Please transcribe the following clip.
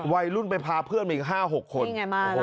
วัยรุ่นไปพาเพื่อนไปอีกห้าหกคน